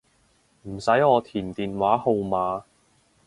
唔使我填電話號碼